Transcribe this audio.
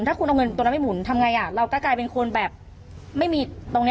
ถ้าคุณเอาเงินไม่หมุนทำไงเรากระกายเป็นคนไม่มีตรงนี้